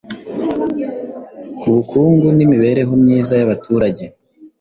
ku bukungu n’imibereho myiza y’abaturage.